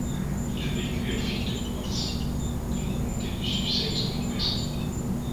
Il a vécu à Fittleworth, dans le comté du Sussex de l'Ouest.